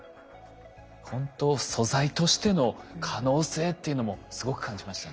ほんと素材としての可能性というのもすごく感じましたね。